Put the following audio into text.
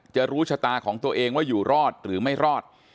จะรู้ชะตาของตัวเองว่าอยู่รอดหรือไม่รอด